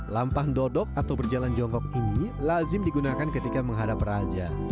lampa dodok atau berjalan jongkok ini lazim digunakan ketika menghadap raja